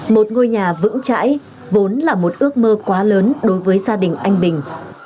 một ngôi nhà vững chãi vốn là một ước mơ quá lớn đối với gia đình anh bình